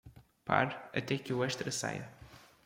Pare até que o extra saia.